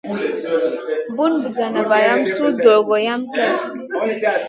Bun Busana valam su dogo yam vahl.